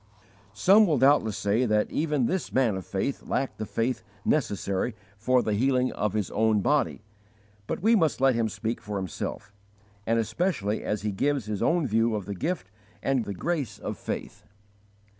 Some will doubtless say that even this man of faith lacked the faith necessary for the healing of his own body; but we must let him speak for himself, and especially as he gives his own view of the gift and the grace of faith.